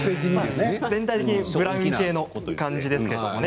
全体的にブラウン系の感じですよね。